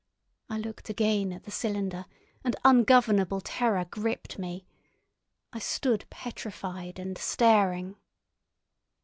I looked again at the cylinder, and ungovernable terror gripped me. I stood petrified and staring.